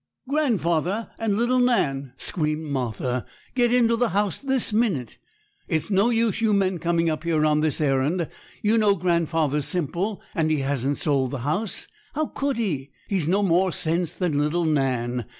'Grandfather and little Nan!' screamed Martha; 'get into the house this minute! It's no use you men coming up here on this errand. You know grandfather's simple, and he hasn't sold the house; how could he? He's no more sense than little Nan.